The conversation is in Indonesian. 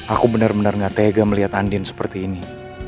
aku benar benar gak tega melihat andin seperti ini